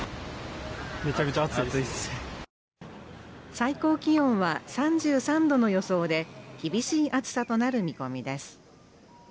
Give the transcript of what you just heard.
最高気温は３３℃の予想で、厳しい暑さとなる見込みです。